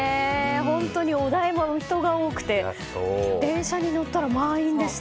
本当にお台場、人が多くて電車に乗ったら満員でした。